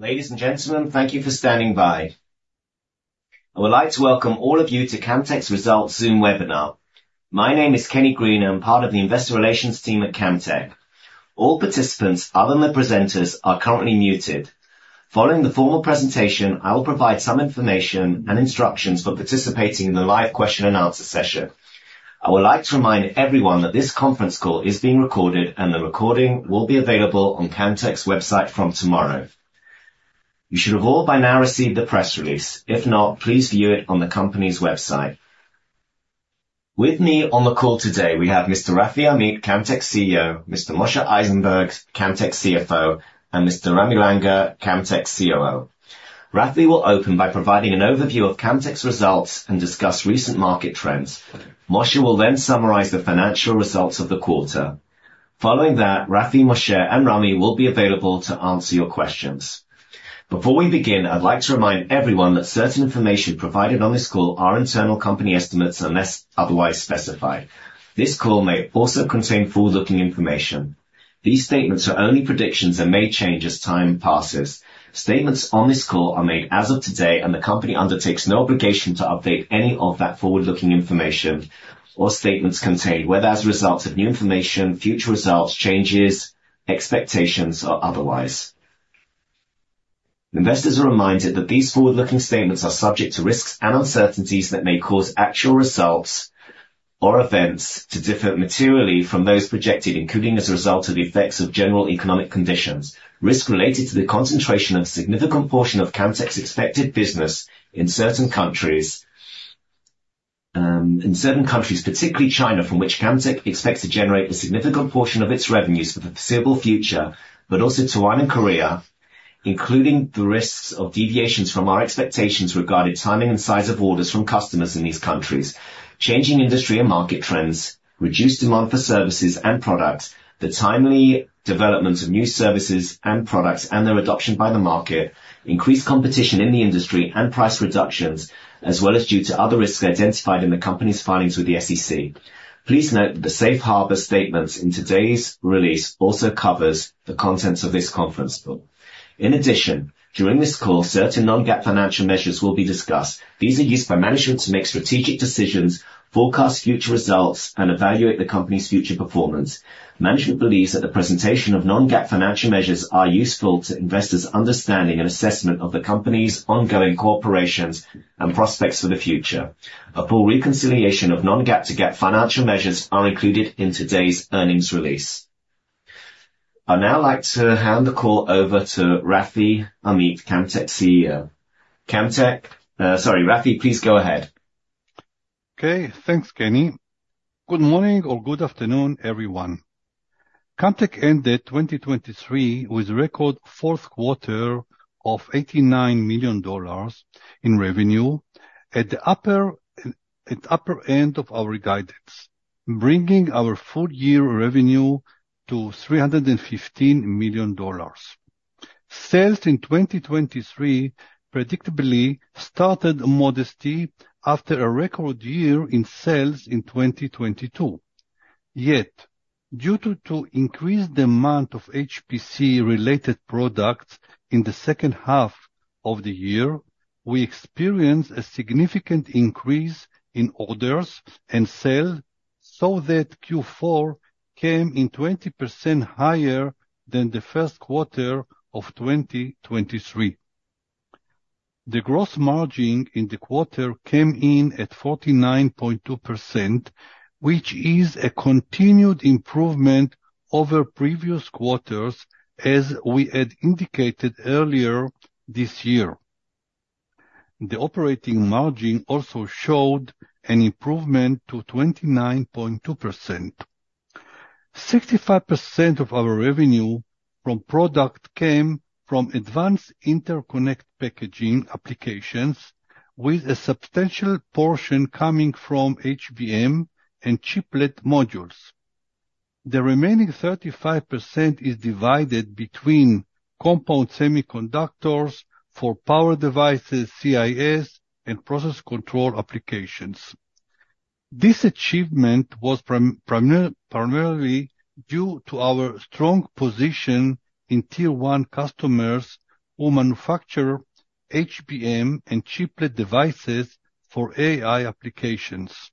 Ladies and gentlemen, thank you for standing by. I would like to welcome all of you to Camtek's Results Zoom Webinar. My name is Kenny Green, I'm part of the investor relations team at Camtek. All participants, other than the presenters, are currently muted. Following the formal presentation, I will provide some information and instructions for participating in the live question and answer session. I would like to remind everyone that this conference call is being recorded, and the recording will be available on Camtek's website from tomorrow. You should have all by now received the press release. If not, please view it on the company's website. With me on the call today, we have Mr. Rafi Amit, Camtek's CEO, Mr. Moshe Eisenberg, Camtek's CFO, and Mr. Ramy Langer, Camtek's COO. Rafi will open by providing an overview of Camtek's results and discuss recent market trends. Moshe will then summarize the financial results of the quarter. Following that, Rafi, Moshe, and Ramy will be available to answer your questions. Before we begin, I'd like to remind everyone that certain information provided on this call are internal company estimates, unless otherwise specified. This call may also contain forward-looking information. These statements are only predictions and may change as time passes. Statements on this call are made as of today, and the company undertakes no obligation to update any of that forward-looking information or statements contained, whether as a result of new information, future results, changes, expectations, or otherwise. Investors are reminded that these forward-looking statements are subject to risks and uncertainties that may cause actual results or events to differ materially from those projected, including as a result of the effects of general economic conditions, risks related to the concentration of significant portion of Camtek's expected business in certain countries, in certain countries, particularly China, from which Camtek expects to generate a significant portion of its revenues for the foreseeable future, but also Taiwan and Korea, including the risks of deviations from our expectations regarding timing and size of orders from customers in these places. Changing industry and market trends, reduced demand for services and products, the timely development of new services and products, and their adoption by the market, increased competition in the industry, and price reductions, as well as due to other risks identified in the company's filings with the SEC. Please note that the safe harbor statements in today's release also covers the contents of this conference call. In addition, during this call, certain non-GAAP financial measures will be discussed. These are used by management to make strategic decisions, forecast future results, and evaluate the company's future performance. Management believes that the presentation of non-GAAP financial measures are useful to investors' understanding and assessment of the company's ongoing operations and prospects for the future. A full reconciliation of non-GAAP to GAAP financial measures are included in today's earnings release. I'd now like to hand the call over to Rafi Amit, Camtek's CEO. Sorry, Rafi, please go ahead. Okay. Thanks, Kenny. Good morning or good afternoon, everyone. Camtek ended 2023 with record fourth quarter of $89 million in revenue at the upper end of our guidance, bringing our full year revenue to $315 million. Sales in 2023 predictably started modestly after a record year in sales in 2022. Yet, due to increased demand of HPC related products in the second half of the year, we experienced a significant increase in orders and sales, so that Q4 came in 20% higher than the first quarter of 2023. The gross margin in the quarter came in at 49.2%, which is a continued improvement over previous quarters, as we had indicated earlier this year. The operating margin also showed an improvement to 29.2%. 65% of our revenue from product came from advanced interconnect packaging applications, with a substantial portion coming from HBM and chiplet modules. The remaining 35% is divided between compound semiconductors for power devices, CIS, and process control applications. This achievement was primarily due to our strong position in tier one customers who manufacture HBM and chiplet devices for AI applications.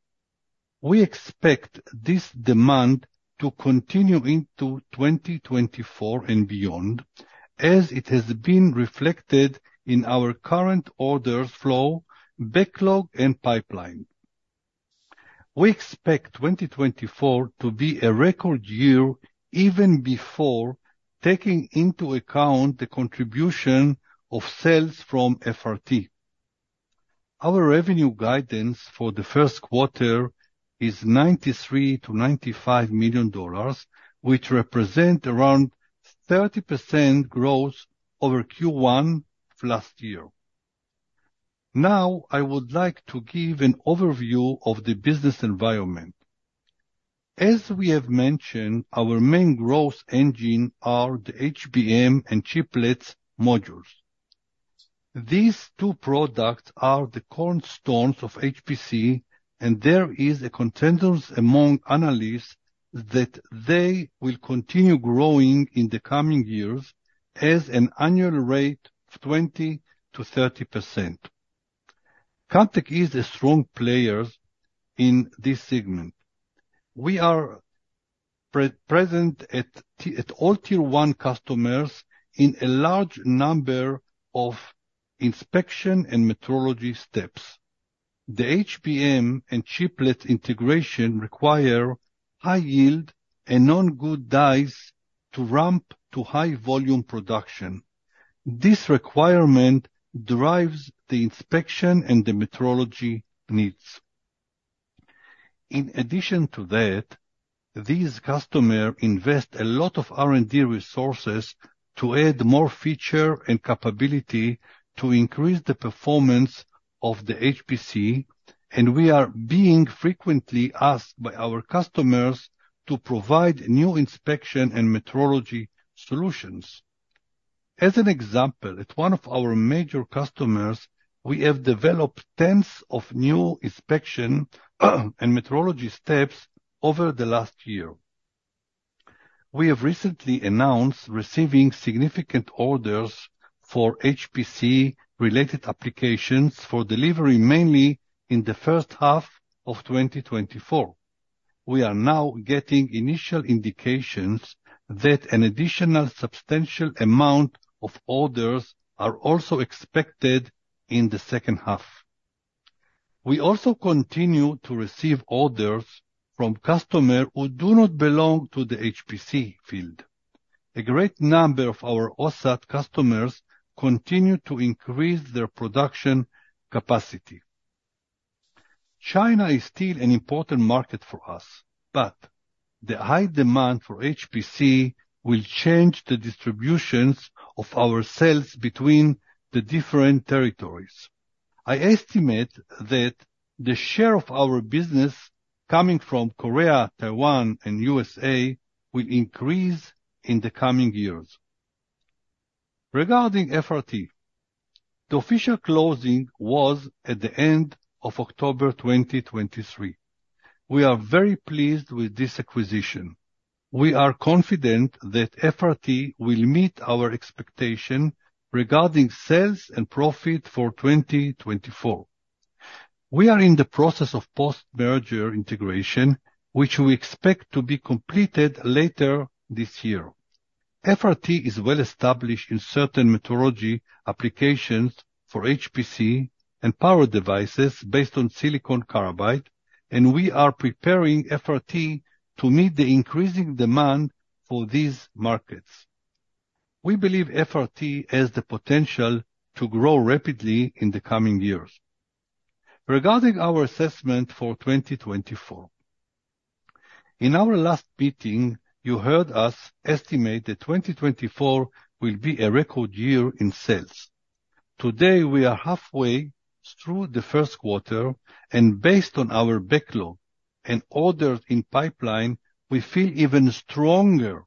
We expect this demand to continue into 2024 and beyond, as it has been reflected in our current order flow, backlog, and pipeline. We expect 2024 to be a record year, even before taking into account the contribution of sales from FRT. Our revenue guidance for the first quarter is $93 million-$95 million, which represent around 30% growth over Q1 last year. Now, I would like to give an overview of the business environment. As we have mentioned, our main growth engine are the HBM and chiplets modules. These two products are the cornerstones of HPC, and there is a consensus among analysts that they will continue growing in the coming years at an annual rate of 20%-30%. Camtek is a strong player in this segment. We are present at all tier one customers in a large number of inspection and metrology steps. The HBM and chiplet integration require high yield and known good dies to ramp to high volume production. This requirement drives the inspection and the metrology needs. In addition to that, these customer invest a lot of R&D resources to add more feature and capability to increase the performance of the HPC, and we are being frequently asked by our customers to provide new inspection and metrology solutions. As an example, at one of our major customers, we have developed tens of new inspection and metrology steps over the last year. We have recently announced receiving significant orders for HPC-related applications for delivery, mainly in the first half of 2024. We are now getting initial indications that an additional substantial amount of orders are also expected in the second half. We also continue to receive orders from customers who do not belong to the HPC field. A great number of our OSAT customers continue to increase their production capacity. China is still an important market for us, but the high demand for HPC will change the distribution of our sales between the different territories. I estimate that the share of our business coming from Korea, Taiwan, and USA will increase in the coming years. Regarding FRT, the official closing was at the end of October 2023. We are very pleased with this acquisition. We are confident that FRT will meet our expectation regarding sales and profit for 2024. We are in the process of post-merger integration, which we expect to be completed later this year. FRT is well established in certain metrology applications for HPC and power devices based on silicon carbide, and we are preparing FRT to meet the increasing demand for these markets. We believe FRT has the potential to grow rapidly in the coming years. Regarding our assessment for 2024, in our last meeting, you heard us estimate that 2024 will be a record year in sales. Today, we are halfway through the first quarter, and based on our backlog and orders in pipeline, we feel even stronger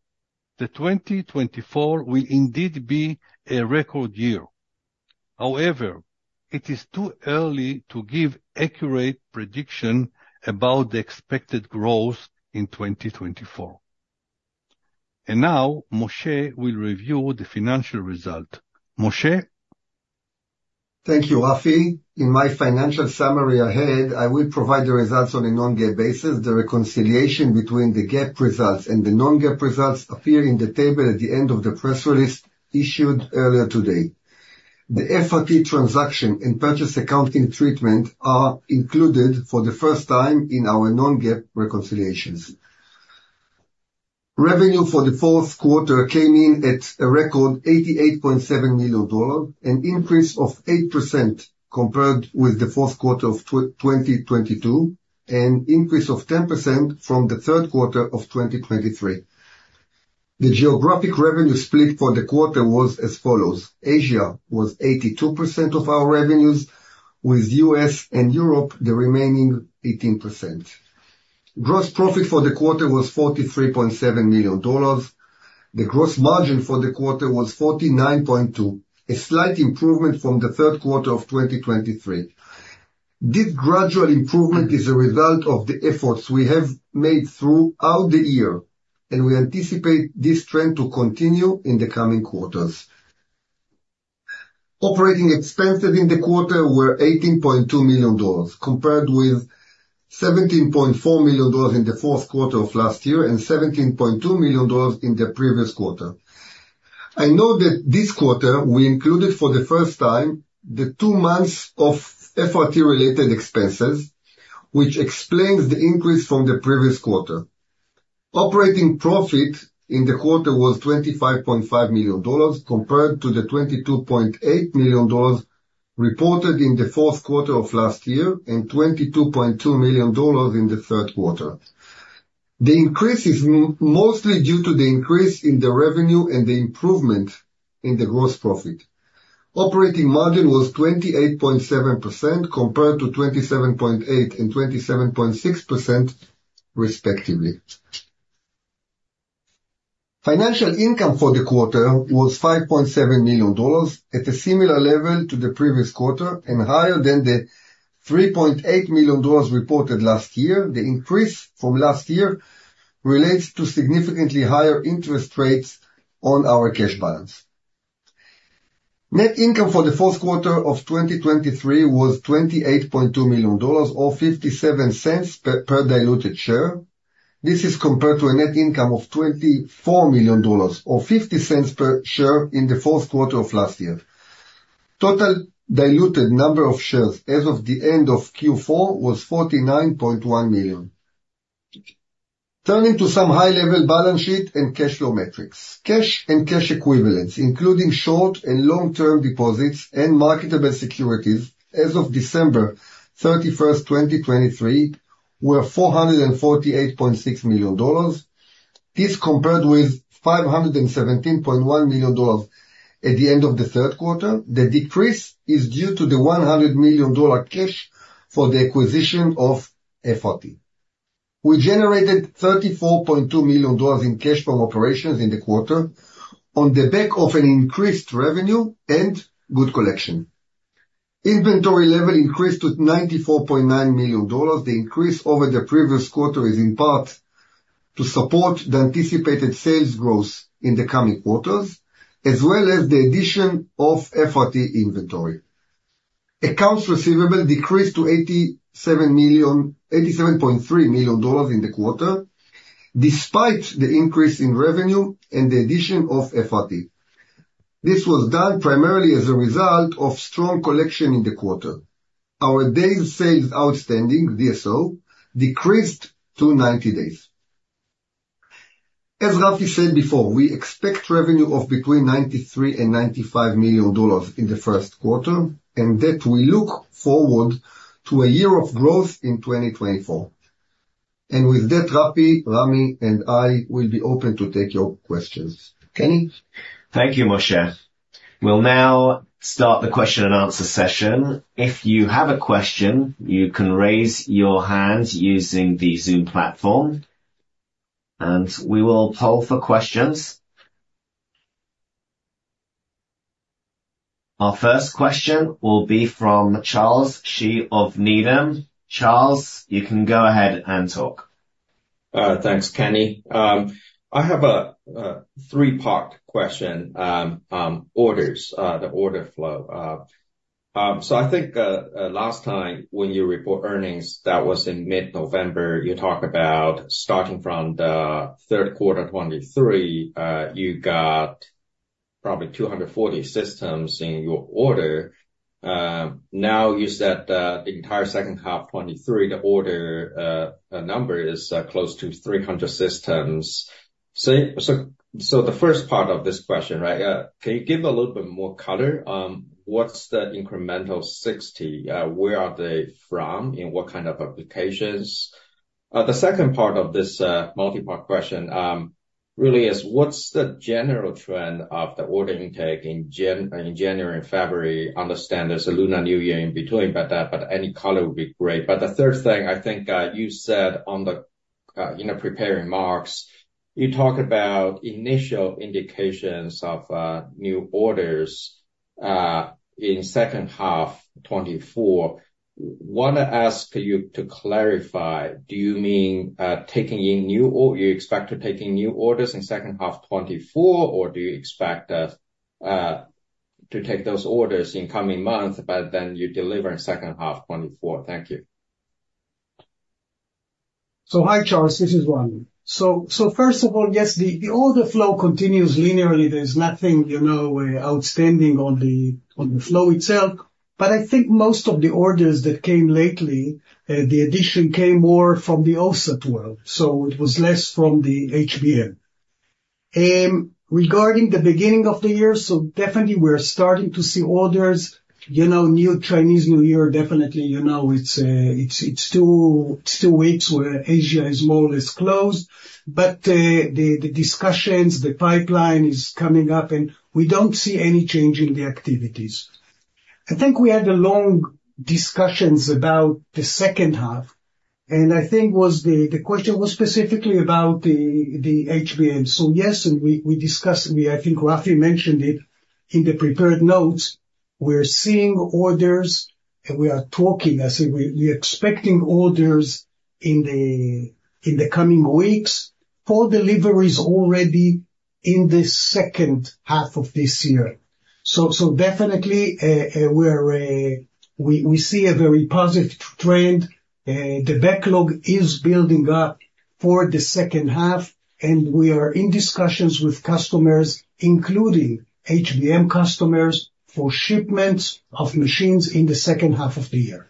that 2024 will indeed be a record year. However, it is too early to give accurate prediction about the expected growth in 2024. Now Moshe will review the financial result. Moshe? Thank you, Rafi. In my financial summary ahead, I will provide the results on a non-GAAP basis. The reconciliation between the GAAP results and the non-GAAP results appear in the table at the end of the press release issued earlier today. The FRT transaction and purchase accounting treatment are included for the first time in our non-GAAP reconciliations. Revenue for the fourth quarter came in at a record $88.7 million, an increase of 8% compared with the fourth quarter of 2022, and increase of 10% from the third quarter of 2023. The geographic revenue split for the quarter was as follows: Asia was 82% of our revenues, with U.S. and Europe, the remaining 18%. Gross profit for the quarter was $43.7 million. The gross margin for the quarter was 49.2%, a slight improvement from the third quarter of 2023. This gradual improvement is a result of the efforts we have made throughout the year, and we anticipate this trend to continue in the coming quarters. Operating expenses in the quarter were $18.2 million, compared with $17.4 million in the fourth quarter of last year and $17.2 million in the previous quarter. I know that this quarter, we included, for the first time, the two months of FRT-related expenses, which explains the increase from the previous quarter. Operating profit in the quarter was $25.5 million, compared to the $22.8 million reported in the fourth quarter of last year and $22.2 million in the third quarter. The increase is mostly due to the increase in the revenue and the improvement in the gross profit. Operating margin was 28.7%, compared to 27.8% and 27.6%, respectively. Financial income for the quarter was $5.7 million, at a similar level to the previous quarter, and higher than the $3.8 million reported last year. The increase from last year relates to significantly higher interest rates on our cash balance. Net income for the fourth quarter of 2023 was $28.2 million, or $0.57 per diluted share. This is compared to a net income of $24 million, or $0.50 per share in the fourth quarter of last year. Total diluted number of shares as of the end of Q4 was 49.1 million. Turning to some high-level balance sheet and cash flow metrics. Cash and cash equivalents, including short- and long-term deposits and marketable securities as of December 31, 2023, were $448.6 million. This compared with $517.1 million at the end of the third quarter. The decrease is due to the $100 million cash for the acquisition of FRT. We generated $34.2 million in cash from operations in the quarter on the back of an increased revenue and good collection. Inventory level increased to $94.9 million. The increase over the previous quarter is in part to support the anticipated sales growth in the coming quarters, as well as the addition of FRT inventory. Accounts receivable decreased to $87 million, $87.3 million in the quarter, despite the increase in revenue and the addition of FRT. This was done primarily as a result of strong collection in the quarter. Our days sales outstanding, DSO, decreased to 90 days. As Rafi said before, we expect revenue of between $93 million and $95 million in the first quarter, and that we look forward to a year of growth in 2024. With that, Rafi, Ramy, and I will be open to take your questions. Kenny? Thank you, Moshe. We'll now start the question and answer session. If you have a question, you can raise your hand using the Zoom platform, and we will poll for questions. Our first question will be from Charles Shi of Needham. Charles, you can go ahead and talk. Thanks, Kenny. I have a three-part question. Orders, the order flow. So I think last time when you report earnings, that was in mid-November, you talked about starting from the third quarter 2023, you got probably 240 systems in your order. Now, you said that the entire second half 2023, the order number is close to 300 systems. So the first part of this question, right, can you give a little bit more color on what's the incremental 60? Where are they from, in what kind of applications? The second part of this multi-part question really is, what's the general trend of the order intake in January and February? Understand there's a Lunar New Year in between, but any color would be great. But the third thing, I think, you said on the in the prepared remarks, you talked about initial indications of new orders in second half 2024. Wanna ask you to clarify, do you mean taking in new orders or you expect to take in new orders in second half 2024, or do you expect to take those orders in coming months, but then you deliver in second half 2024? Thank you. So hi, Charles, this is Ramy. So first of all, yes, the order flow continues linearly. There's nothing, you know, outstanding on the flow itself. But I think most of the orders that came lately, the addition came more from the OSAT world, so it was less from the HBM. Regarding the beginning of the year, so definitely we're starting to see orders, you know, new Chinese New Year, definitely, you know, it's two weeks where Asia is more or less closed. But the discussions, the pipeline is coming up, and we don't see any change in the activities. I think we had long discussions about the second half, and I think the question was specifically about the HBM. So yes, and we discussed, and I think Rafi mentioned it in the prepared notes, we're seeing orders, and we are talking. I say we're expecting orders in the coming weeks for deliveries already in the second half of this year. So definitely, we see a very positive trend. The backlog is building up for the second half, and we are in discussions with customers, including HBM customers, for shipments of machines in the second half of the year.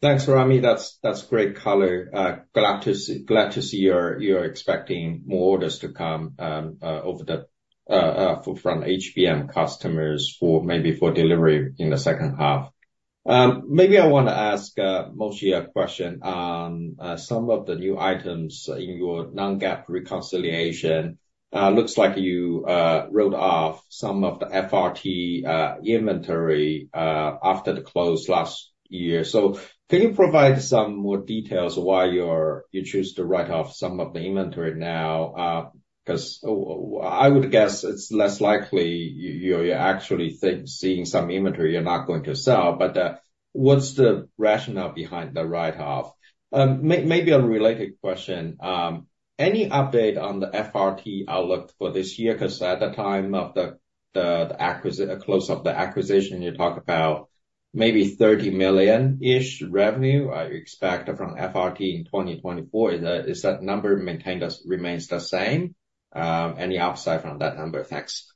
Thanks, Ramy. That's great color. Glad to see you're expecting more orders to come over from HBM customers for maybe for delivery in the second half. Maybe I want to ask Moshe a question on some of the new items in your non-GAAP reconciliation. It looks like you wrote off some of the FRT inventory after the close last year. So can you provide some more details why you choose to write off some of the inventory now? 'Cause I would guess it's less likely you're actually seeing some inventory you're not going to sell, but what's the rationale behind the write-off? Maybe on a related question, any update on the FRT outlook for this year? 'Cause at the time of the close of the acquisition, you talked about maybe $30 million-ish revenue you expect from FRT in 2024. Is that number maintained or remains the same? Any upside from that number? Thanks.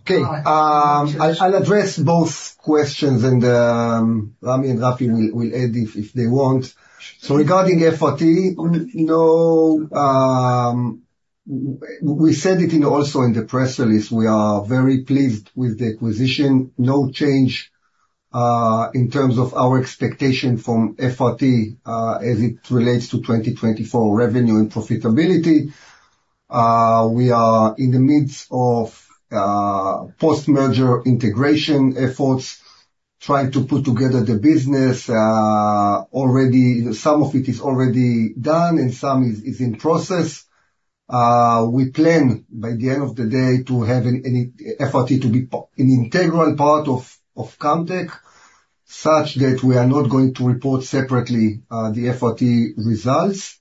Okay. I'll, I'll address both questions and, Ramy and Rafi will, will add if, if they want. So regarding FRT, no, we said it also in the press release. We are very pleased with the acquisition. No change in terms of our expectation from FRT as it relates to 2024 revenue and profitability. We are in the midst of post-merger integration efforts, trying to put together the business. Already, some of it is already done and some is in process. We plan, by the end of the day, to have FRT to be an integral part of Camtek, such that we are not going to report separately the FRT results.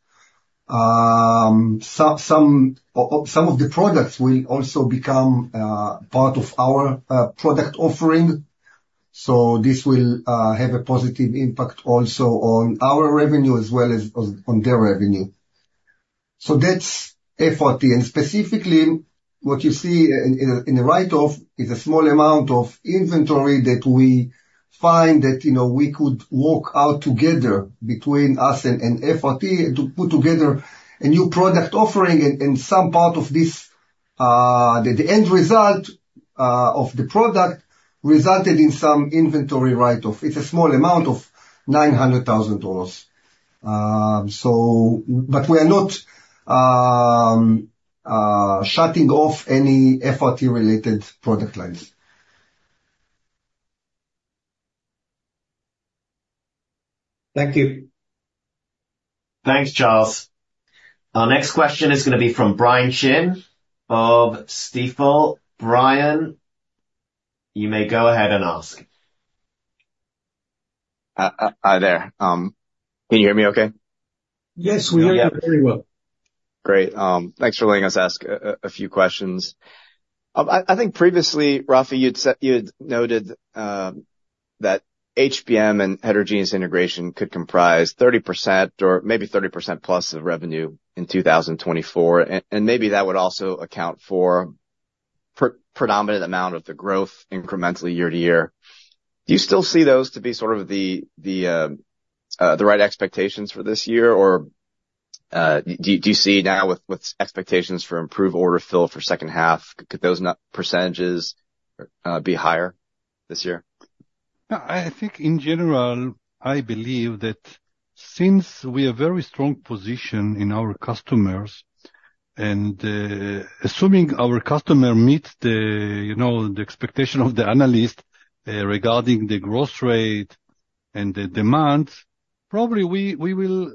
Some of the products will also become part of our product offering, so this will have a positive impact also on our revenue as well as on their revenue. So that's FRT. And specifically, what you see in the write-off is a small amount of inventory that we find that, you know, we could work out together between us and FRT to put together a new product offering. And some part of this, the end result of the product resulted in some inventory write-off. It's a small amount of $900,000. But we are not shutting off any FRT-related product lines. Thank you. Thanks, Charles. Our next question is gonna be from Brian Chin of Stifel. Brian, you may go ahead and ask. Hi there. Can you hear me okay? Yes, we hear you very well. Great. Thanks for letting us ask a few questions. I think previously, Rafi, you'd said, you'd noted, that HBM and heterogeneous integration could comprise 30% or maybe 30%+ of revenue in 2024, and maybe that would also account for predominant amount of the growth incrementally year to year. Do you still see those to be sort of the right expectations for this year? Or, do you see now with expectations for improved order fill for second half, could those percentages be higher this year? I think in general, I believe that since we are very strong position in our customers, and, assuming our customer meets the, you know, the expectation of the analyst, regarding the growth rate and the demand, probably we, we will...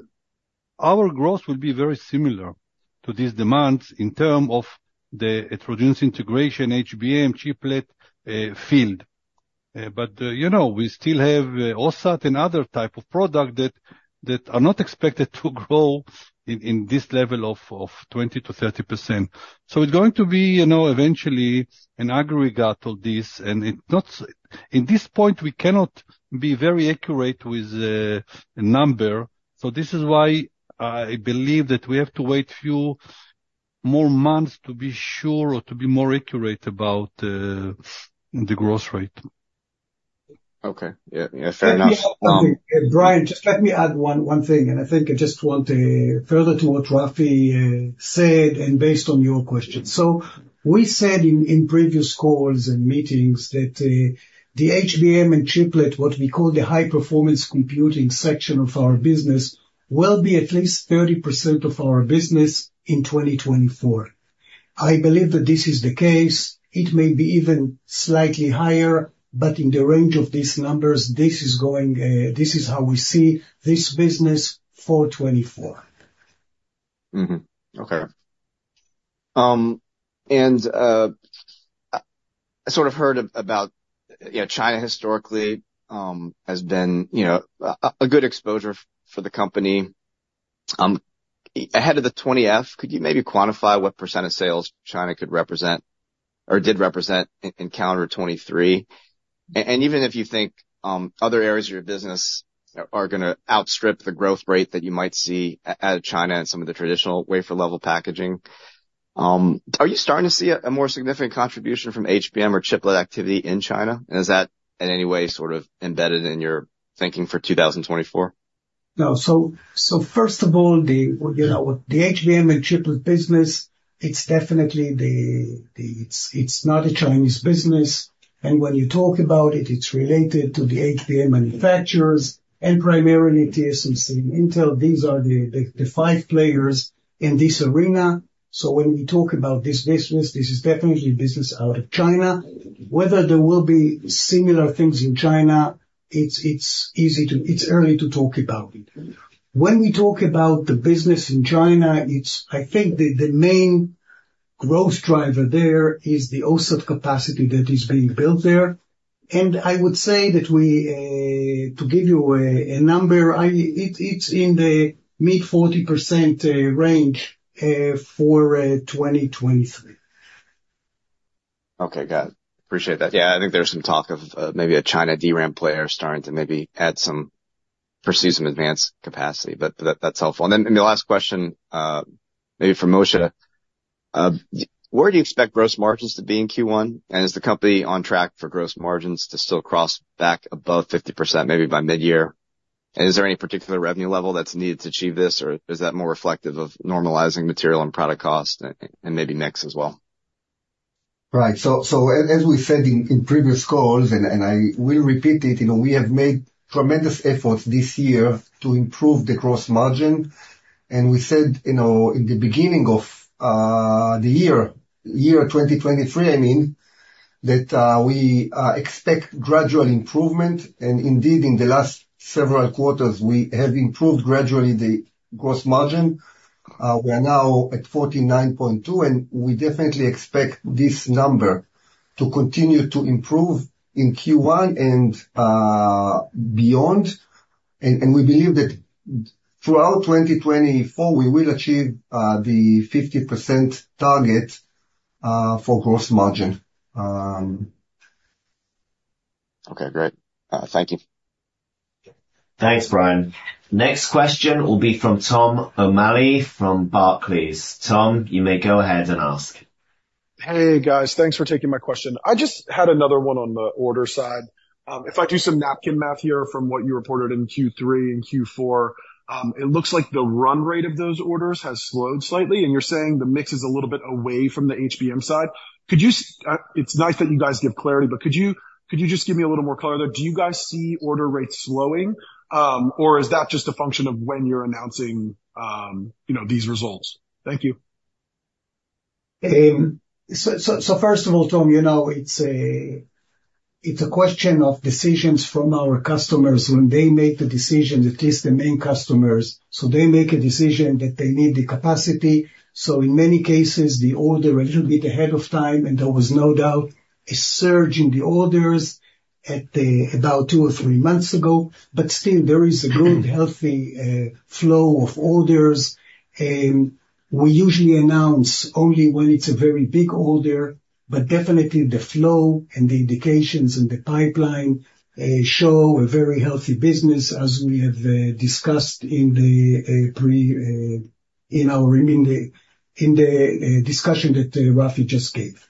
Our growth will be very similar to these demands in term of the heterogeneous integration, HBM, chiplet, field. But, you know, we still have, OSAT and other type of product that, that are not expected to grow in, in this level of, of 20%-30%. So it's going to be, you know, eventually an aggregate of this, and it not, in this point, we cannot be very accurate with the number. So this is why I believe that we have to wait few more months to be sure or to be more accurate about, the growth rate. Okay. Yeah, yeah, fair enough. Brian, just let me add one thing, and I think I just want further to what Rafi said and based on your question. So we said in previous calls and meetings that the HBM and chiplet, what we call the high performance computing section of our business, will be at least 30% of our business in 2024. I believe that this is the case. It may be even slightly higher, but in the range of these numbers, this is going, this is how we see this business for 2024. Mm-hmm. Okay. And I sort of heard about, you know, China historically has been, you know, a good exposure for the company. Ahead of the 20-F, could you maybe quantify what percent of sales China could represent or did represent in calendar 2023? And even if you think other areas of your business are gonna outstrip the growth rate that you might see out of China and some of the traditional wafer level packaging, are you starting to see a more significant contribution from HBM or chiplet activity in China? And is that in any way sort of embedded in your thinking for 2024? No. So first of all, you know, the HBM and chiplet business, it's definitely not a Chinese business. ...And when you talk about it, it's related to the HBM manufacturers and primarily TSMC and Intel. These are the five players in this arena. So when we talk about this business, this is definitely business out of China. Whether there will be similar things in China, it's early to talk about it. When we talk about the business in China, it's, I think, the main growth driver there is the OSAT capacity that is being built there. And I would say that we to give you a number, it's in the mid-40% range for 2023. Okay, got it. Appreciate that. Yeah, I think there's some talk of maybe a China DRAM player starting to maybe add some, pursue some advanced capacity, but that, that's helpful. And then the last question, maybe for Moshe. Where do you expect gross margins to be in Q1? And is the company on track for gross margins to still cross back above 50%, maybe by mid-year? And is there any particular revenue level that's needed to achieve this, or is that more reflective of normalizing material and product cost, and maybe mix as well? Right. So as we said in previous calls, and I will repeat it, you know, we have made tremendous efforts this year to improve the gross margin. And we said, you know, in the beginning of the year, 2023, I mean, we expect gradual improvement. And indeed, in the last several quarters, we have improved gradually the gross margin. We are now at 49.2%, and we definitely expect this number to continue to improve in Q1 and beyond. And we believe that throughout 2024, we will achieve the 50% target for gross margin. Okay, great. Thank you. Thanks, Brian. Next question will be from Tom O'Malley, from Barclays. Tom, you may go ahead and ask. Hey, guys. Thanks for taking my question. I just had another one on the order side. If I do some napkin math here from what you reported in Q3 and Q4, it looks like the run rate of those orders has slowed slightly, and you're saying the mix is a little bit away from the HBM side. Could you? It's nice that you guys give clarity, but could you, could you just give me a little more color there? Do you guys see order rates slowing, or is that just a function of when you're announcing, you know, these results? Thank you. So first of all, Tom, you know, it's a question of decisions from our customers when they make the decision, at least the main customers. So they make a decision that they need the capacity, so in many cases, the order a little bit ahead of time, and there was no doubt a surge in the orders at about two or three months ago. But still there is a good, healthy flow of orders. We usually announce only when it's a very big order, but definitely the flow and the indications in the pipeline show a very healthy business, as we have discussed in our, I mean, the discussion that Rafi just gave.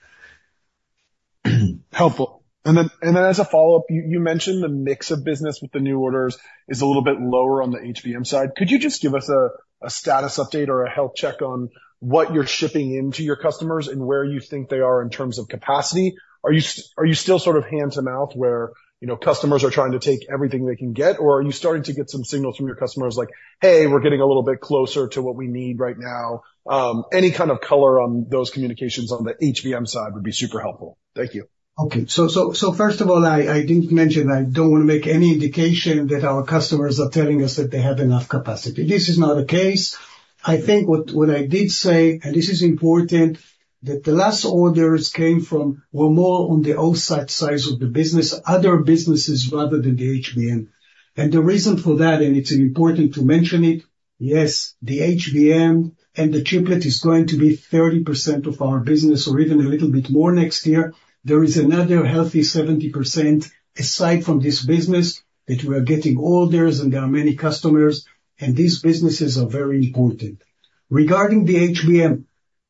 Helpful. And then, and then as a follow-up, you, you mentioned the mix of business with the new orders is a little bit lower on the HBM side. Could you just give us a, a status update or a health check on what you're shipping into your customers and where you think they are in terms of capacity? Are you still sort of hand to mouth, where, you know, customers are trying to take everything they can get, or are you starting to get some signals from your customers like: Hey, we're getting a little bit closer to what we need right now. Any kind of color on those communications on the HBM side would be super helpful. Thank you. Okay. So first of all, I didn't mention, I don't want to make any indication that our customers are telling us that they have enough capacity. This is not the case. I think what I did say, and this is important, that the last orders came from, were more on the OSAT side of the business, other businesses, rather than the HBM. And the reason for that, and it's important to mention it, yes, the HBM and the chiplet is going to be 30% of our business or even a little bit more next year. There is another healthy 70% aside from this business, that we are getting orders, and there are many customers, and these businesses are very important. Regarding the HBM,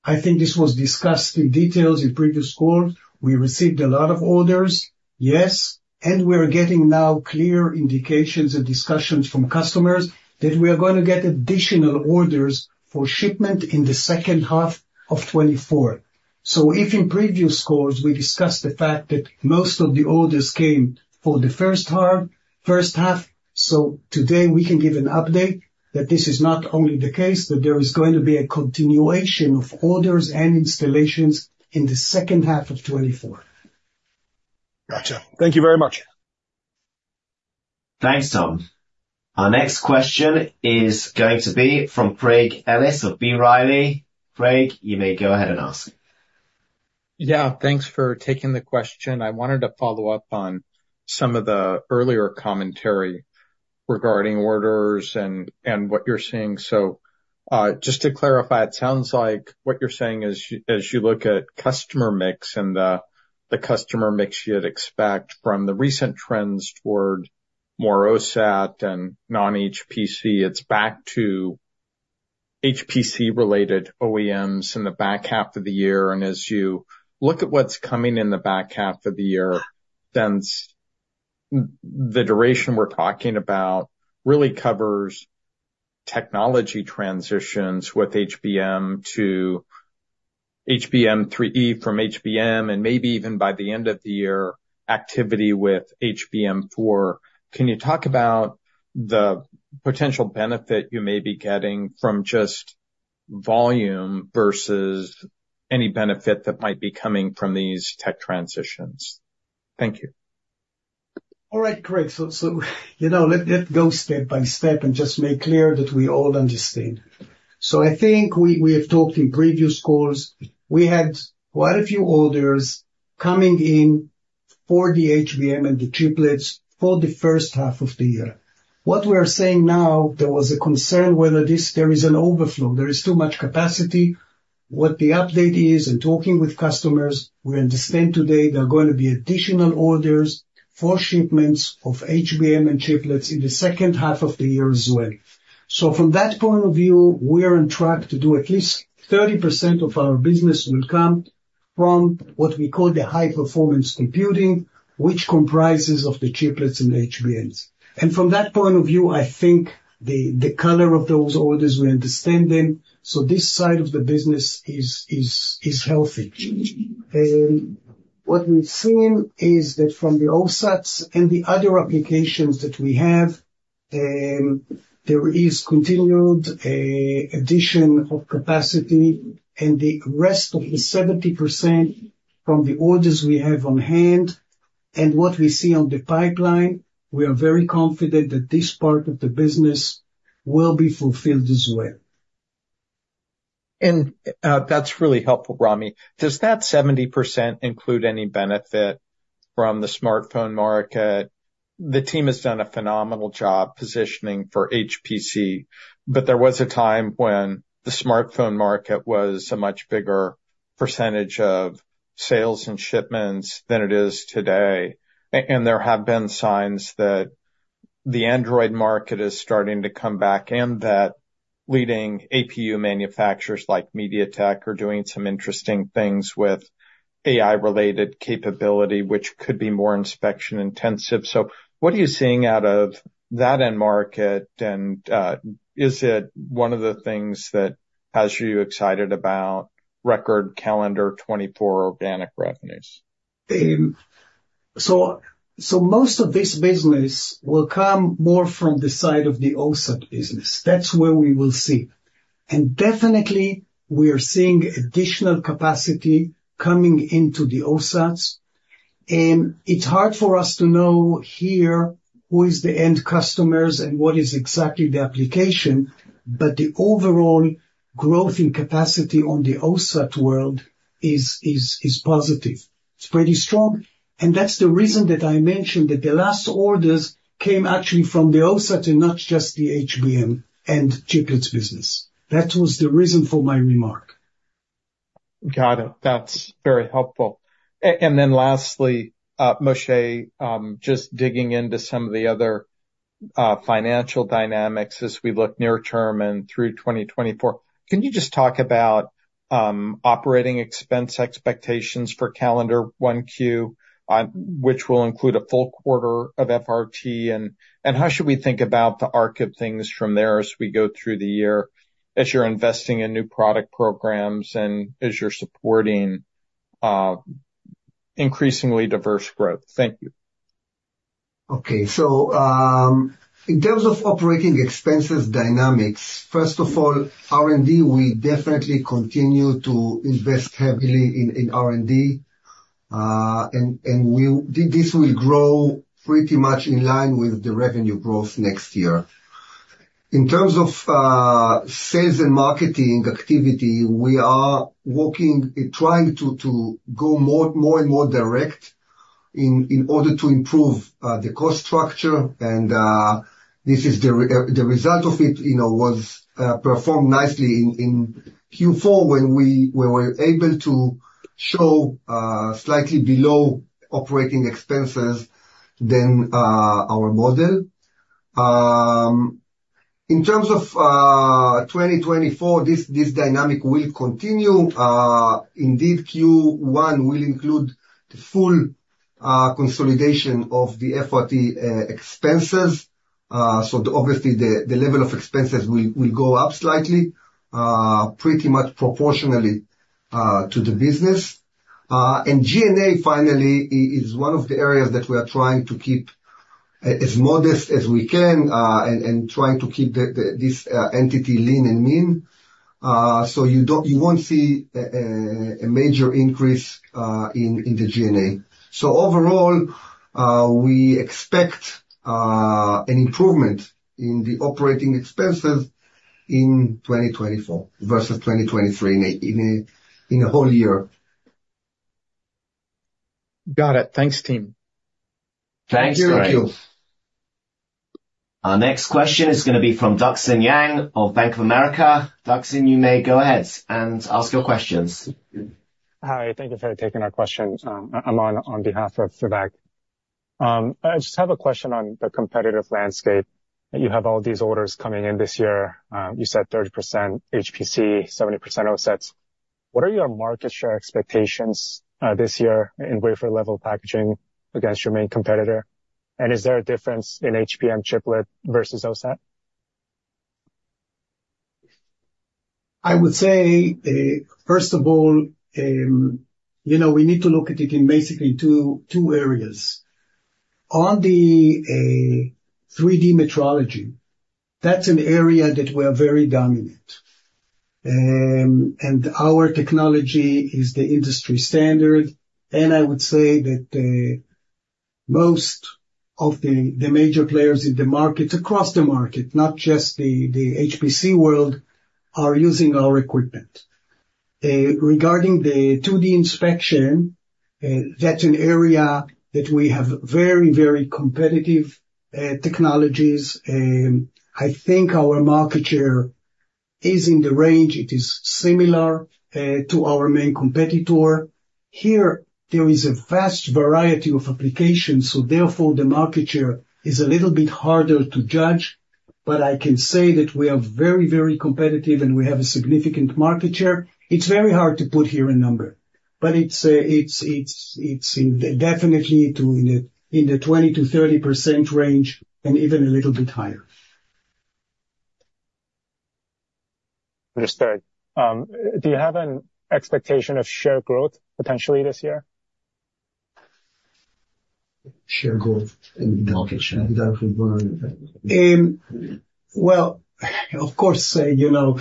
I think this was discussed in details in previous calls. We received a lot of orders, yes, and we are getting now clear indications and discussions from customers that we are going to get additional orders for shipment in the second half of 2024. So if in previous calls, we discussed the fact that most of the orders came for the first half, first half, so today we can give an update that this is not only the case, that there is going to be a continuation of orders and installations in the second half of 2024. Gotcha. Thank you very much. Thanks, Tom. Our next question is going to be from Craig Ellis of B. Riley. Craig, you may go ahead and ask. Yeah, thanks for taking the question. I wanted to follow up on some of the earlier commentary regarding orders and what you're seeing. So, just to clarify, it sounds like what you're saying is, as you look at customer mix and the customer mix you'd expect from the recent trends toward more OSAT and non-HPC, it's back to HPC-related OEMs in the back half of the year. And as you look at what's coming in the back half of the year, then the duration we're talking about really covers technology transitions with HBM to HBM3E from HBM, and maybe even by the end of the year, activity with HBM4. Can you talk about the potential benefit you may be getting from just volume versus any benefit that might be coming from these tech transitions? Thank you. All right, great. So, you know, let's go step by step and just make clear that we all understand. So I think we have talked in previous calls; we had quite a few orders coming in for the HBM and the chiplets for the first half of the year. What we are saying now, there was a concern whether this, there is an overflow, there is too much capacity. What the update is, in talking with customers, we understand today there are going to be additional orders for shipments of HBM and chiplets in the second half of the year as well. So from that point of view, we are on track to do at least 30% of our business will come from what we call the high performance computing, which comprises of the chiplets and the HBMs. From that point of view, I think the color of those orders, we understand them, so this side of the business is healthy. What we've seen is that from the OSATs and the other applications that we have, there is continued addition of capacity, and the rest of the 70% from the orders we have on hand, and what we see on the pipeline, we are very confident that this part of the business will be fulfilled as well. That's really helpful, Ramy. Does that 70% include any benefit from the smartphone market? The team has done a phenomenal job positioning for HPC, but there was a time when the smartphone market was a much bigger percentage of sales and shipments than it is today. And there have been signs that the Android market is starting to come back, and that leading APU manufacturers, like MediaTek, are doing some interesting things with AI-related capability, which could be more inspection intensive. So what are you seeing out of that end market? And is it one of the things that has you excited about record calendar 2024 organic revenues? Most of this business will come more from the side of the OSAT business. That's where we will see. And definitely, we are seeing additional capacity coming into the OSATs. It's hard for us to know here who is the end customers and what is exactly the application, but the overall growth in capacity on the OSAT world is positive. It's pretty strong, and that's the reason that I mentioned that the last orders came actually from the OSAT and not just the HBM and chiplets business. That was the reason for my remark. Got it. That's very helpful. And then lastly, Moshe, just digging into some of the other, financial dynamics as we look near term and through 2024, can you just talk about, operating expense expectations for calendar 1Q, which will include a full quarter of FRT, and how should we think about the arc of things from there as we go through the year, as you're investing in new product programs and as you're supporting, increasingly diverse growth? Thank you. Okay. So, in terms of operating expenses dynamics, first of all, R&D, we definitely continue to invest heavily in R&D. And we -- this will grow pretty much in line with the revenue growth next year. In terms of sales and marketing activity, we are working, trying to go more and more direct in order to improve the cost structure. And this is the result of it, you know, was performed nicely in Q4, when we were able to show slightly below operating expenses than our model. In terms of 2024, this dynamic will continue. Indeed, Q1 will include the full consolidation of the FRT expenses. So obviously, the level of expenses will go up slightly, pretty much proportionally to the business. And G&A, finally, is one of the areas that we are trying to keep as modest as we can, and trying to keep the entity lean and mean. So you don't, you won't see a major increase in the G&A. So overall, we expect an improvement in the operating expenses in 2024 versus 2023, in a whole year. Got it. Thanks, team. Thanks. Thank you. Our next question is going to be from Duxin Wang of Bank of America. Duxin, you may go ahead and ask your questions. Hi, thank you for taking our question. I'm on behalf of the Bank. I just have a question on the competitive landscape. You have all these orders coming in this year. You said 30% HPC, 70% OSAT. What are your market share expectations this year in wafer level packaging against your main competitor? And is there a difference in HBM chiplet versus OSAT? I would say, first of all, you know, we need to look at it in basically two areas. On the 3D metrology, that's an area that we are very dominant. And our technology is the industry standard, and I would say that most of the major players in the market, across the market, not just the HPC world, are using our equipment. Regarding the 2D inspection, that's an area that we have very, very competitive technologies. I think our market share is in the range, it is similar to our main competitor. Here, there is a vast variety of applications, so therefore the market share is a little bit harder to judge. But I can say that we are very, very competitive, and we have a significant market share. It's very hard to put here a number, but it's definitely in the 20%-30% range and even a little bit higher. Understood. Do you have an expectation of share growth potentially this year? Share growth and market share. Well, of course, you know,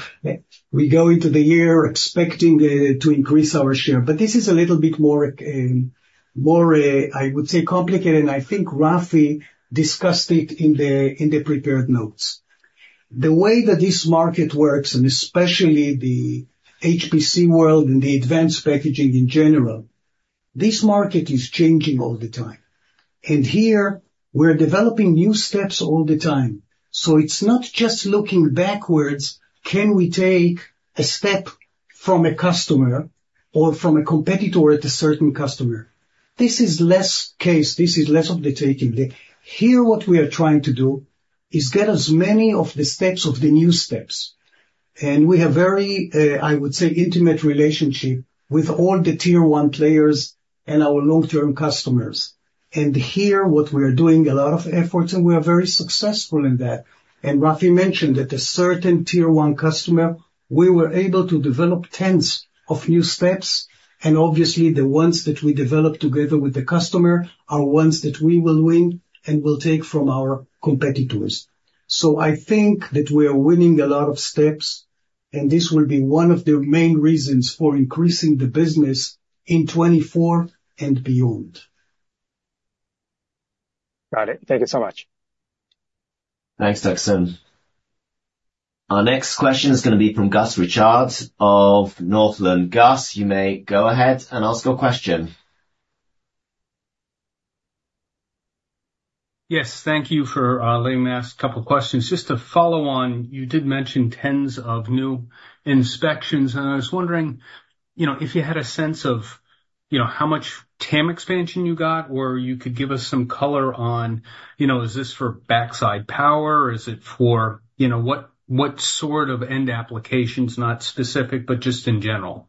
we go into the year expecting to increase our share, but this is a little bit more, more, I would say, complicated, and I think Rafi discussed it in the prepared notes. The way that this market works, and especially the HPC world and the advanced packaging in general, this market is changing all the time, and here we're developing new steps all the time. So it's not just looking backwards, can we take a step from a customer or from a competitor at a certain customer? This is less case, this is less of the taking. Here, what we are trying to do is get as many of the steps, of the new steps, and we have very, I would say, intimate relationship with all the tier one players and our long-term customers. Here, what we are doing a lot of efforts, and we are very successful in that. Rafi mentioned that a certain tier one customer, we were able to develop tens of new steps, and obviously the ones that we developed together with the customer are ones that we will win and will take from our competitors. I think that we are winning a lot of steps, and this will be one of the main reasons for increasing the business in 2024 and beyond. Got it. Thank you so much. Thanks, Duxin. Our next question is going to be from Gus Richard of Northland. Gus, you may go ahead and ask your question. Yes, thank you for letting me ask a couple questions. Just to follow on, you did mention tens of new inspections, and I was wondering, you know, if you had a sense of, you know, how much TAM expansion you got, or you could give us some color on, you know, is this for backside power, or is it for... You know, what sort of end applications? Not specific, but just in general.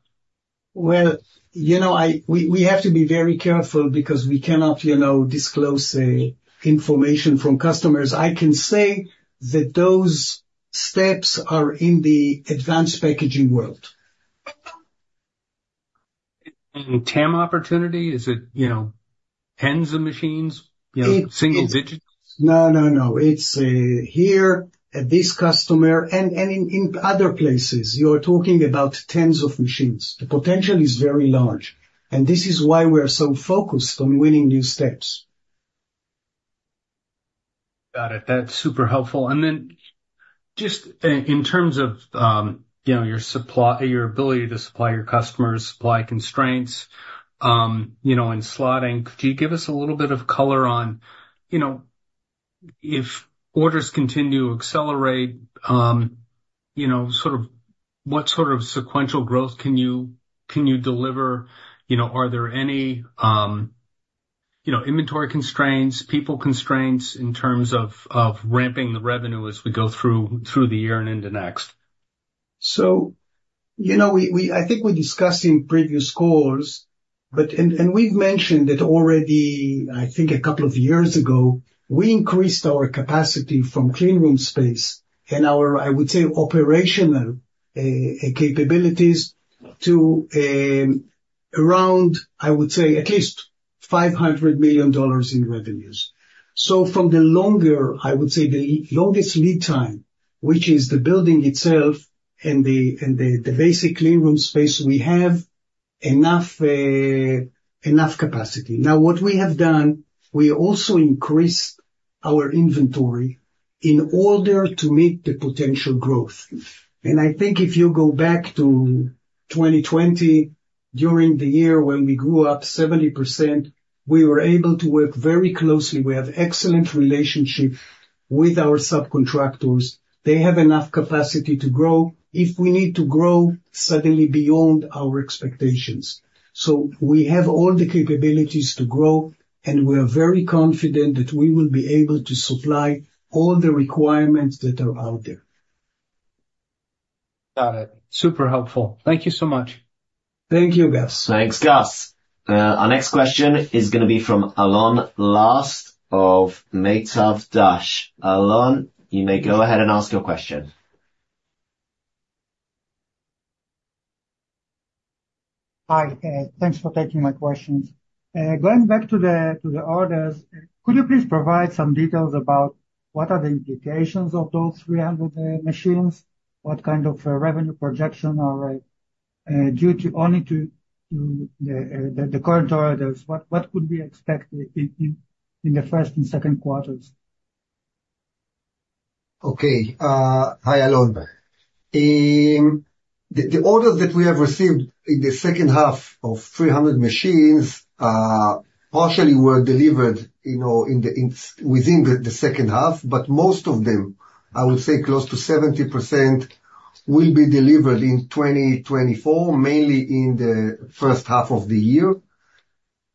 Well, you know, we have to be very careful because we cannot, you know, disclose information from customers. I can say that those steps are in the advanced packaging world. TAM opportunity, is it, you know, tens of machines? You know, single digits? No, no, no. It's here, at this customer, and in other places, you are talking about tens of machines. The potential is very large, and this is why we are so focused on winning new steps. Got it. That's super helpful. And then just in terms of, you know, your supply, your ability to supply your customers, supply constraints, you know, and slotting, could you give us a little bit of color on, you know, if orders continue to accelerate, you know, sort of what sort of sequential growth can you, can you deliver? You know, are there any, you know, inventory constraints, people constraints in terms of ramping the revenue as we go through the year and into next? So, you know, I think we discussed in previous calls, but we've mentioned it already, I think a couple of years ago, we increased our capacity from clean room space and our, I would say, operational capabilities to, around, I would say, at least $500 million in revenues. So from the longer, I would say, the longest lead time, which is the building itself and the basic clean room space, we have enough capacity. Now, what we have done, we also increased our inventory in order to meet the potential growth. And I think if you go back to 2020, during the year when we grew up 70%, we were able to work very closely. We have excellent relationship with our subcontractors. They have enough capacity to grow if we need to grow suddenly beyond our expectations. So we have all the capabilities to grow, and we are very confident that we will be able to supply all the requirements that are out there.... Got it. Super helpful. Thank you so much. Thank you, Gus. Thanks, Gus. Our next question is gonna be from Alon Las of Meitav Dash. Alon, you may go ahead and ask your question. Hi, thanks for taking my questions. Going back to the orders, could you please provide some details about what are the implications of those 300 machines? What kind of revenue projection or, due only to the current orders, what could we expect in the first and second quarters? Okay. Hi, Alon. The orders that we have received in the second half of 300 machines partially were delivered, you know, within the second half, but most of them, I would say close to 70%, will be delivered in 2024, mainly in the first half of the year.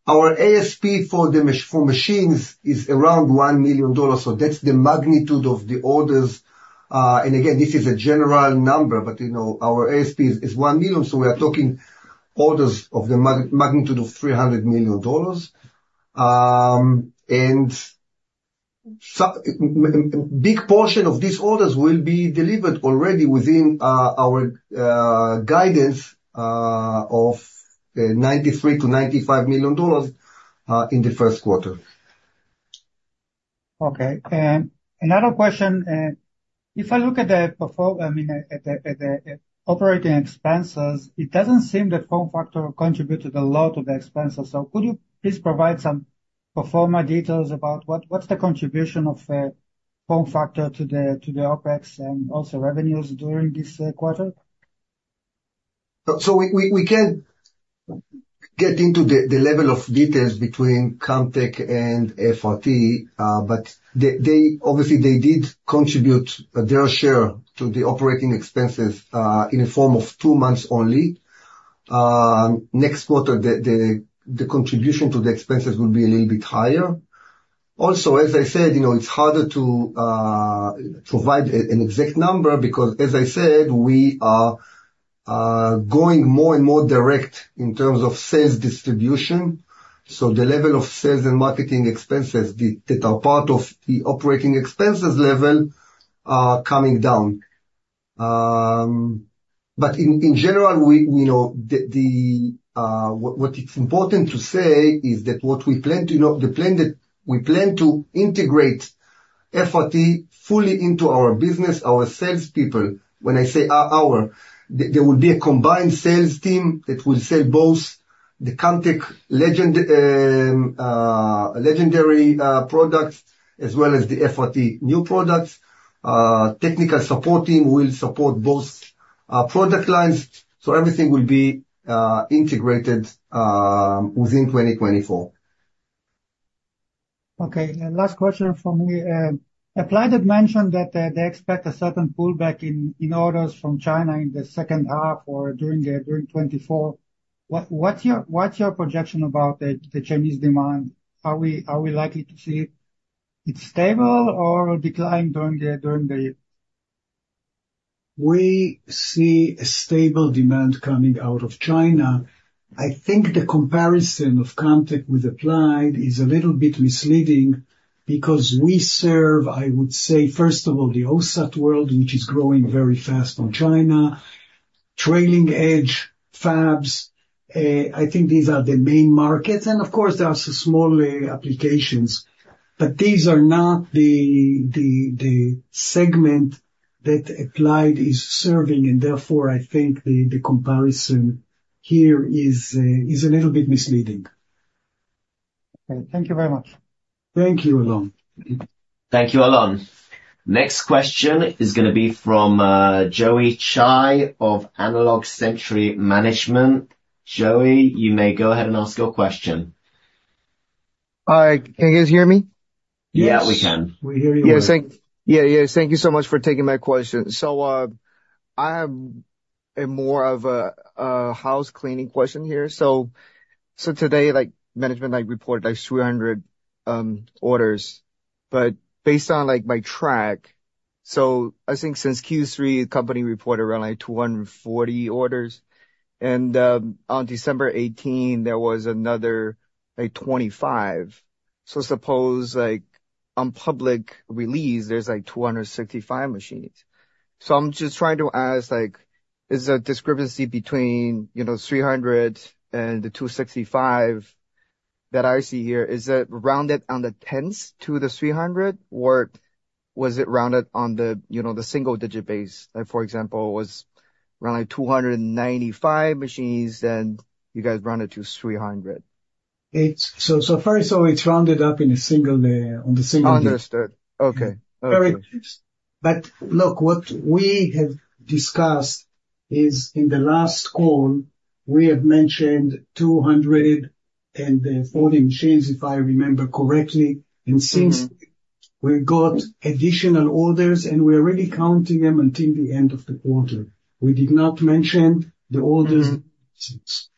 Our ASP for machines is around $1 million, so that's the magnitude of the orders. And again, this is a general number, but, you know, our ASP is $1 million, so we are talking orders of the magnitude of $300 million. And so, big portion of these orders will be delivered already within our guidance of $93 million-$95 million in the first quarter. Okay. And another question, if I look at the performance, I mean, at the operating expenses, it doesn't seem that FormFactor contributed a lot to the expenses. So could you please provide some performance details about what's the contribution of FormFactor to the OpEx and also revenues during this quarter? So we can't get into the level of details between Camtek and FRT, but they obviously did contribute their share to the operating expenses in the form of two months only. Next quarter, the contribution to the expenses will be a little bit higher. Also, as I said, you know, it's harder to provide an exact number because as I said, we are going more and more direct in terms of sales distribution. So the level of sales and marketing expenses that are part of the operating expenses level are coming down. But in general, we, you know, what it's important to say is that what we plan to, you know, the plan that we plan to integrate FRT fully into our business, our salespeople. When I say our, there will be a combined sales team that will sell both the Camtek legendary products as well as the FRT new products. Technical support team will support both product lines, so everything will be integrated within 2024. Okay, and last question from me. Applied had mentioned that they expect a certain pullback in orders from China in the second half or during 2024. What's your projection about the Chinese demand? Are we likely to see it stable or decline during the... We see a stable demand coming out of China. I think the comparison of Camtek with Applied is a little bit misleading because we serve, I would say, first of all, the OSAT world, which is growing very fast in China, trailing edge fabs. I think these are the main markets, and of course, there are some small applications, but these are not the segment that Applied is serving, and therefore I think the comparison here is a little bit misleading. Okay. Thank you very much. Thank you, Alon. Thank you, Alon. Next question is gonna be from Joey Chai of Analog Century Management. Joey, you may go ahead and ask your question. Hi, can you guys hear me? Yeah, we can. We hear you. Yeah. Yeah, yes, thank you so much for taking my question. So, I have a more of a housecleaning question here. So, today, like, management, like, reported, like, 300 orders, but based on, like, I think since Q3, the company reported around, like, 240 orders, and on December 18, there was another, like, 25. So suppose, like, on public release, there's, like, 265 machines. So I'm just trying to ask, like, is the discrepancy between, you know, 300 and the 265 that I see here, is it rounded on the tens to the 300, or was it rounded on the, you know, the single digit base? Like, for example, was around, like, 295 machines, and you guys rounded to 300. It's so far, so it's rounded up in a single digit. Understood. Okay. But look, what we have discussed is in the last call, we have mentioned 240 machines, if I remember correctly. Mm-hmm. And since we've got additional orders, and we're already counting them until the end of the quarter. We did not mention the orders since. ...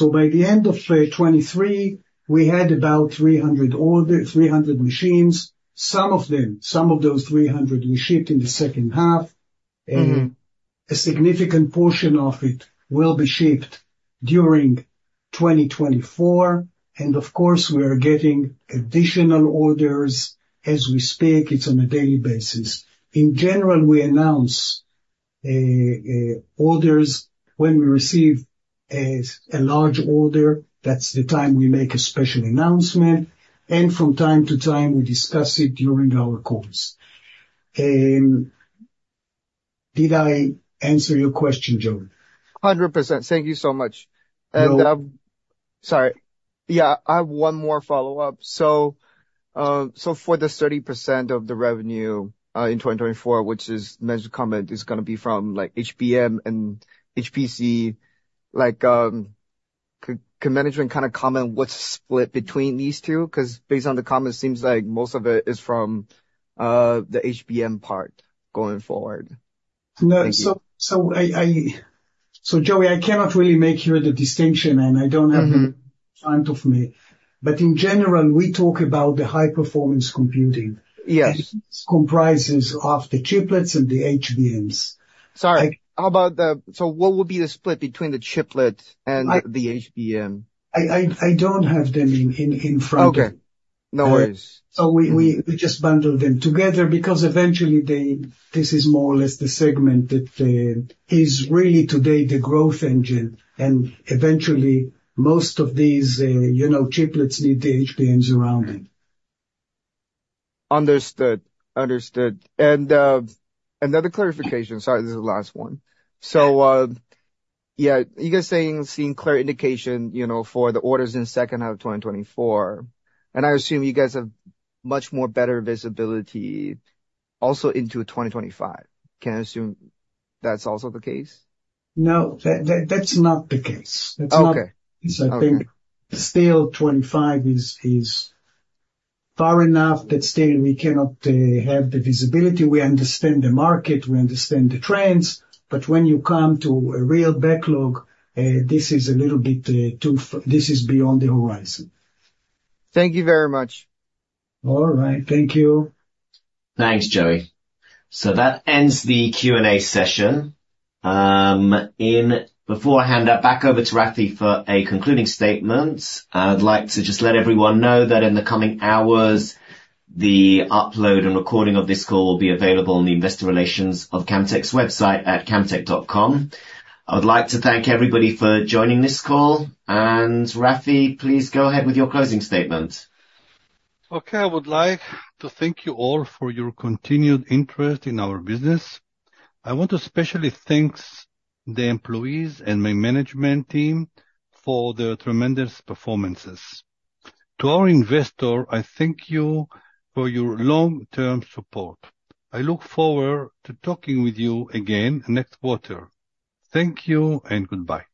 So by the end of 2023, we had about 300 orders, 300 machines. Some of them, some of those 300 we shipped in the second half. Mm-hmm. A significant portion of it will be shipped during 2024, and of course, we are getting additional orders as we speak, it's on a daily basis. In general, we announce orders when we receive a large order, that's the time we make a special announcement, and from time to time, we discuss it during our calls. Did I answer your question, Joey? 100%. Thank you so much. No- And, sorry. Yeah, I have one more follow-up. So, for the 30% of the revenue in 2024, which is management comment, is gonna be from, like, HBM and HPC, like, could management kind of comment what's split between these two? Because based on the comments, it seems like most of it is from the HBM part going forward. No. Thank you. So Joey, I cannot really make here the distinction, and I don't have- Mm-hmm... in front of me. But in general, we talk about the high performance computing. Yes. Comprises of the chiplets and the HBMs. Sorry, how about the... So, what would be the split between the chiplets and the HBM? I don't have them in front of me. Okay. No worries. So we just bundle them together because eventually this is more or less the segment that is really today the growth engine, and eventually most of these you know chiplets need the HBMs around them. Understood. Understood. And, another clarification. Sorry, this is the last one. So, yeah, you guys saying, seeing clear indication, you know, for the orders in second half of 2024, and I assume you guys have much more better visibility also into 2025. Can I assume that's also the case? No, that, that's not the case. Okay. That's not- Okay. 'Cause I think still 25 is far enough that still we cannot have the visibility. We understand the market, we understand the trends, but when you come to a real backlog, this is a little bit too - this is beyond the horizon. Thank you very much. All right, thank you. Thanks, Joey. So that ends the Q&A session. Before I hand that back over to Rafi for a concluding statement, I'd like to just let everyone know that in the coming hours, the upload and recording of this call will be available on the investor relations of Camtek's website at camtek.com. I would like to thank everybody for joining this call, and Rafi, please go ahead with your closing statement. Okay. I would like to thank you all for your continued interest in our business. I want to especially thank the employees and my management team for their tremendous performances. To our investor, I thank you for your long-term support. I look forward to talking with you again next quarter. Thank you and goodbye.